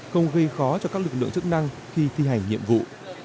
không gây khó cho các lực lượng chức năng khi thi hành nhiệm vụ